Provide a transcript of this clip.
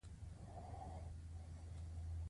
کسبګر د کلیوالو او ښاریانو ترڅنګ ودریدل.